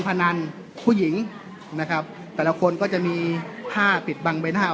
พนันผู้หญิงนะครับแต่ละคนก็จะมีผ้าปิดบังใบหน้า